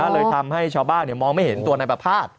เลยทำให้ชาวบ้านมองไม่เห็นตัวนายประภาษณ์